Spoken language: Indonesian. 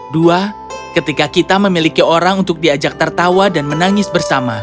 dua ketika kita memiliki orang untuk diajak tertawa dan menangis bersama